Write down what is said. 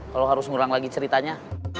kalau harus ngurang lagi ceritanya